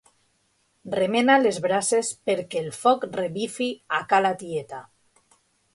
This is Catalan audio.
Remena les brases perquè el foc revifi a ca la tieta.